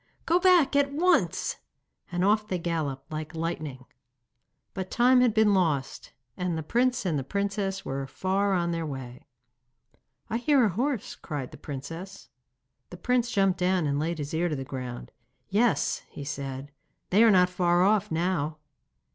Go back at once!' and off they galloped like lightning. But time had been lost, and the prince and princess were far on their way. 'I hear a horse,' cried the princess. The prince jumped down and laid his ear to the ground. 'Yes,' he said, 'they are not far off now.